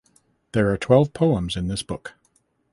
There are twelve poems in this book.